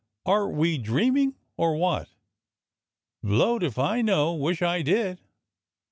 "Are we dreaming, or what.^" "Bio wed if I know; w^ish I did."